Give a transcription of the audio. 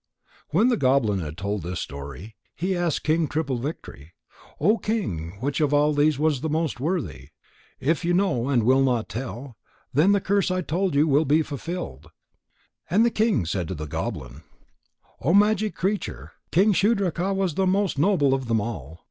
When the goblin had told this story, he asked King Triple victory: "O King, which of all these was the most worthy? If you know and will not tell, then the curse I told you of will be fulfilled." And the king said to the goblin: "O magic creature, King Shudraka was the most noble of them all."